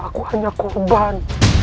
aku hanya korban